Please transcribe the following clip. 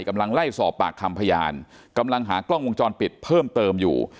กำลังไล่สอบปากคำพยานกำลังหากล้องวงจรปิดเพิ่มเติมอยู่